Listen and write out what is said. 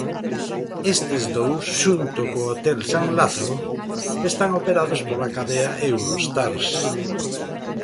Estes dous, xunto co hotel San Lázaro, están operados pola cadea Eurostars.